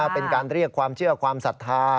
เป็นการเรียกความเชื่อความศรัทธา